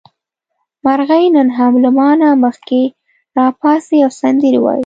مرغۍ نن هم له ما نه مخکې راپاڅي او سندرې وايي.